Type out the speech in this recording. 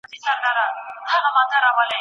د ملکیار سندره ټولټال شپږ بندونه لري.